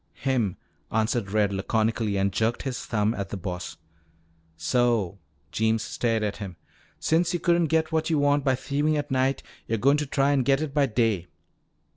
"Him," answered Red laconically and jerked his thumb at the Boss. "So," Jeems stared at him, "since yo' couldn't git what yo' want by thievin' at night, yo're goin' to try and git it by day."